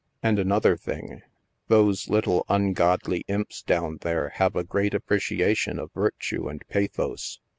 And another thing, those little ungodly imps down there have a great appreciation of virtue and pathos.